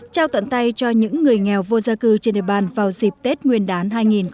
trao tận tay cho những người nghèo vô gia cư trên địa bàn vào dịp tết nguyên đán hai nghìn hai mươi